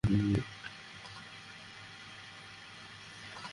পছন্দ করেন বা না করেন, এখন ওর খেলাই খেলতে হবে।